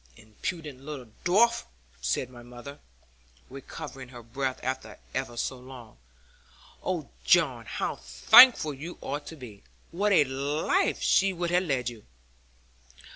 'Impudent little dwarf!' said my mother, recovering her breath after ever so long. 'Oh, John, how thankful you ought to be! What a life she would have led you!'